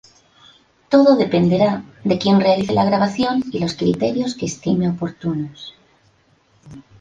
Todo dependerá de quien realice la grabación y los criterios que estime oportunos.